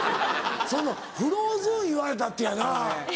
そのフローズン言われたってやな。